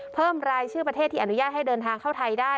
เพิ่มรายชื่อประเทศที่อนุญาตให้เดินทางเข้าไทยได้